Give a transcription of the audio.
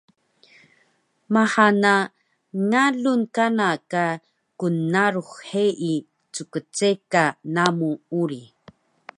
Maha na ngalun kana ka knnarux heyi ckceka namu uri